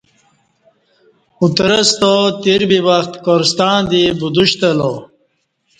اترستا تیر بی وخت کا ر ستݩع دی بدوشت الو